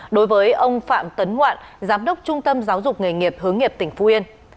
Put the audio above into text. đối với ông phạm tấn ngoạn giám đốc trung tâm giáo dục nghề nghiệp hướng nghiệp tỉnh phú yên